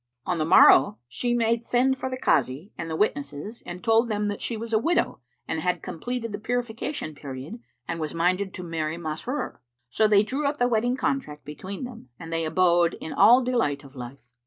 On the morrow she made send for the Kazi and the witnesses and told them that she was a widow and had completed the purification period and was minded to marry Masrur. So they drew up the wedding contract between them and they abode in all delight of life.